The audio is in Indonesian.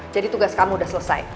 jadi tugas kamu udah selesai